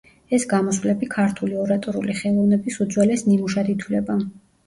ეს გამოსვლები ქართული ორატორული ხელოვნების უძველეს ნიმუშად ითვლება.